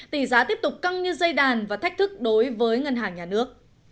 tỷ giá tiếp tục căng như dây đàn và thách thức đối với ngân hàng nhà nước